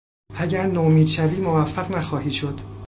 اگر نومید شوی موفق نخواهی شد.